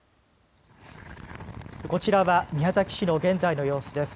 こちらは宮崎市の現在の様子です。